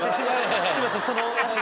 すいません。